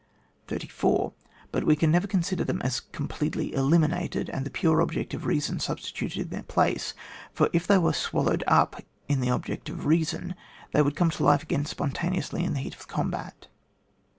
34. But we can never consider them as completely eliminated, and the pure object of reason substituted in their place; for if they were swallowed up in the object of reason, they would come to life again spontaneously in the heat of the combat.